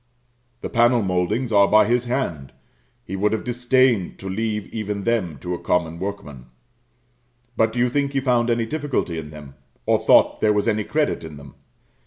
The panel mouldings are by his hand; he would have disdained to leave even them to a common workman; but do you think he found any difficulty in them, or thought there was any credit in them?